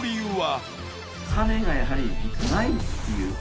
種がやはりないという。